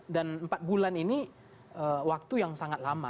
dan empat bulan ini waktu yang sangat lama